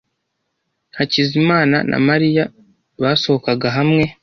Hakizimana na Mariya basohokaga hamwe.